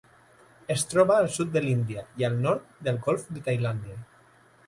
Es troba al sud de l'Índia i al nord del Golf de Tailàndia.